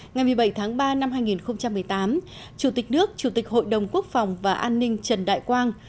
ngày một mươi bảy tháng ba năm hai nghìn một mươi tám chủ tịch nước chủ tịch hội đồng quốc phòng và an ninh trần đại quang